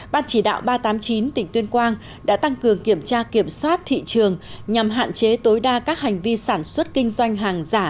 ban chỉ đạo ba trăm tám mươi chín tỉnh tuyên quang đã tăng cường kiểm tra kiểm soát thị trường nhằm hạn chế tối đa các hành vi sản xuất kinh doanh hàng giả